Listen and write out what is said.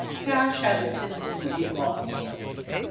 Cash has a tendency to get lost.